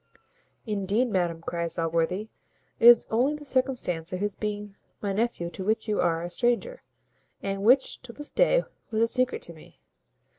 "Indeed, madam," cries Allworthy, "it is only the circumstance of his being my nephew to which you are a stranger, and which, till this day, was a secret to me.